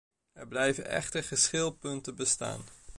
Er blijven echter geschilpunten bestaan.